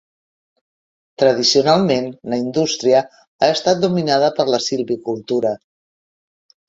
Tradicionalment, la indústria ha estat dominada per la silvicultura.